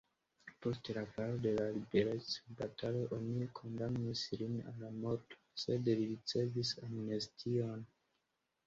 Post la falo de liberecbatalo oni kondamnis lin al morto, sed li ricevis amnestion.